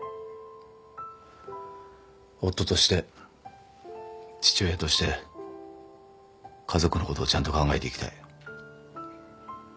夫として父親として家族のことをちゃんと考えていきたい。